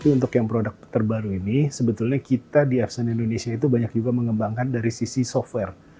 untuk yang produk terbaru ini sebetulnya kita di apsen indonesia itu banyak juga mengembangkan dari sisi software